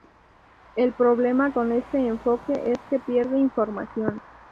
El problema con este enfoque es que pierde información.